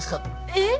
えっ！